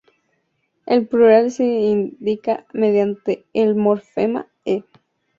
El plural se indica mediante el morfema -e.